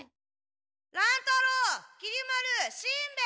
乱太郎きり丸しんべヱ！